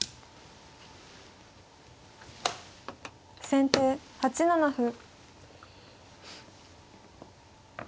先手８七歩。